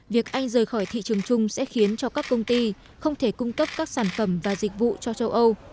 việc anh rời khỏi thị trường chung sẽ khiến cho các công ty không thể cung cấp các sản phẩm và dịch vụ cho châu âu